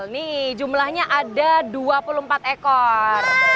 nih jumlahnya ada dua puluh empat ekor